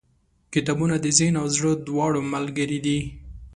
• کتابونه د ذهن او زړه دواړو ملګري دي.